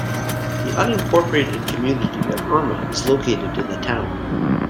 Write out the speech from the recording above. The unincorporated community of Irma is located in the town.